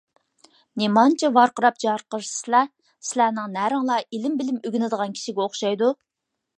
نېمانچە ۋارقىراپ - جارقىرىشىسىلەر! سىلەرنىڭ نەرىڭلار ئىلىم - بىلىم ئۆگىنىدىغان كىشىگە ئوخشايدۇ؟!